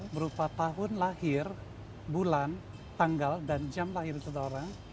berupa tahun lahir bulan tanggal dan jam lahir seseorang